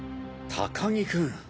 高木君。